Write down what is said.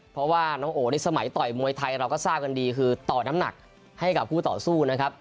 เพราะว่าน้องโอในสมัยต่อยมวยไทยเราก็ทราบกันดีคือต่อน้ำหนักให้กับคู่ต่อสู้นะครับ